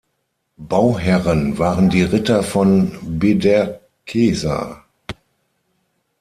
Bauherren waren die Ritter von Bederkesa.